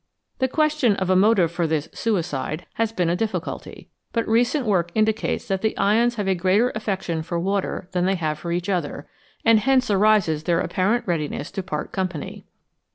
The question of a motive for this " suicide " has been a difficulty, but recent work indicates that the ions have a greater affection for water than they have for each other, and hence arises their apparent readiness to part company.